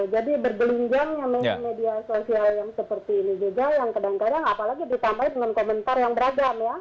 jadi bergelinggangnya media sosial yang seperti ini juga yang kadang kadang apalagi ditambahin dengan komentar yang beragam ya